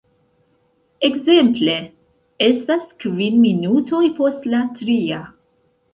Ekzemple: "Estas kvin minutoj post la tria.